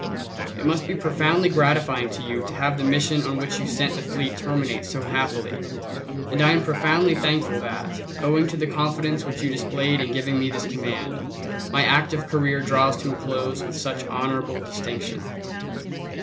It must be profoundly gratifying to you to have the mission on which you sent the fleet terminate so happily, and I am profoundly thankful that, owing to the confidence which you displayed in giving me this command, my active career draws to a close with such honorable distinction.